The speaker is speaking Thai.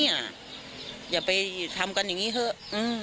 อย่าไปทำกันอย่างนี้เถอะ